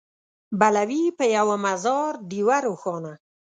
بله وي په یوه مزار ډېوه روښانه